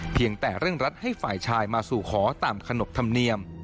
เพียงแต่เร่งรัดให้ฝ่ายชายมาสู่ขอตามขนบธรรมเนียม